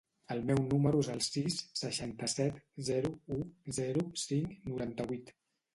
El meu número es el sis, seixanta-set, zero, u, zero, cinc, noranta-vuit.